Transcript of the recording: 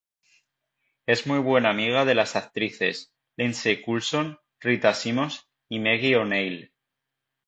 Es muy buena amiga de las actrices Lindsey Coulson, Rita Simons y Maggie O'Neill.